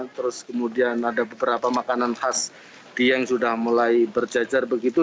terus kemudian ada beberapa makanan khas dieng sudah mulai berjajar begitu